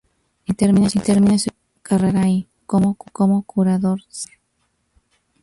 Y termina su exitosa carrera allí, como curador senior.